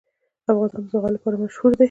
افغانستان د زغال لپاره مشهور دی.